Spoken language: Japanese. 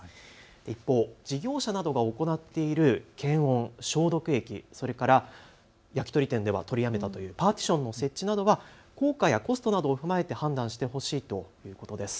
一方、事業者などが行っている検温、消毒液や焼き鳥店では取りやめたというパーティションの設置など効果やコストなどを踏まえて判断してほしいということです。